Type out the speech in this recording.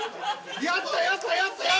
やったやったやったやった！